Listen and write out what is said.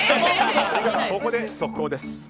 ここで速報です。